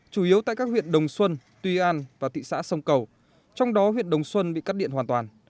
chủ yếu tại các huyện đồng xuân tuy an và thị xã sông cầu trong đó huyện đồng xuân bị cắt điện hoàn toàn